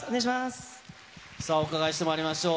さあ、お伺いしてまいりましょう。